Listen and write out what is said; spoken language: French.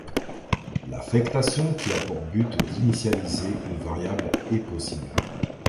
L'affectation qui a pour but d'initialiser une variable est possible.